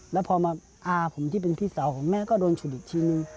แล้วพอมาอาผมที่เป็นพี่สาวของแม่ก็โดนฉุดอีกทีนึง